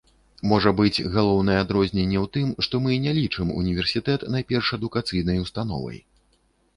Можа быць, галоўнае адрозненне ў тым, што мы не лічым універсітэт найперш адукацыйнай установай.